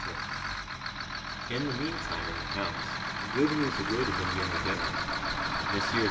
II In the meantime, in the house, good news awaited them during the dinner. Messrs.